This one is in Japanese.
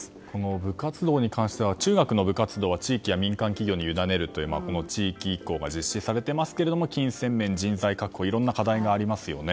部活動に関しては中学の部活動は地域や民間企業にゆだねる地域移行が実施されていますが金銭面、人材確保いろんな課題がありますよね。